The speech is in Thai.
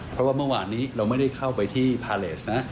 เพราะว่าเมื่อวานนี้เราไม่ได้เข้าไปที่พาเลสนะ